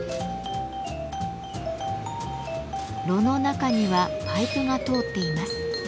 炉の中にはパイプが通っています。